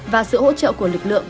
và sự hỗ trợ của lực lượng